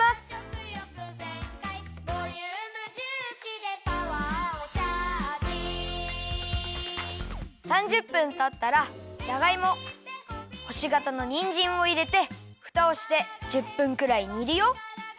「ボリューム重視でパワーをチャージ」３０分たったらじゃがいもほしがたのにんじんをいれてふたをして１０分くらいにるよ。